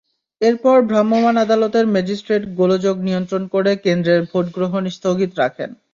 এরপর ভ্রাম্যমাণ আদালতের ম্যাজিস্ট্রেট গোলযোগ নিয়ন্ত্রণ করে কেন্দ্রের ভোট গ্রহণ স্থগিত রাখেন।